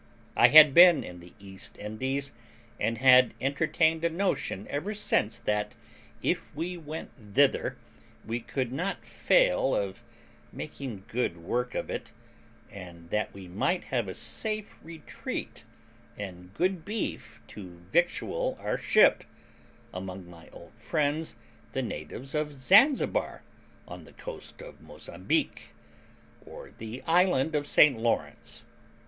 I had been in the East Indies, and had entertained a notion ever since that, if we went thither, we could not fail of making good work of it, and that we might have a safe retreat, and good beef to victual our ship, among my old friends the natives of Zanzibar, on the coast of Mozambique, or the island of St Lawrence.